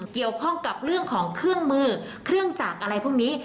เกี่ยวข้องกับเรื่องของเครื่องมือเครื่องจักรอะไรพวกนี้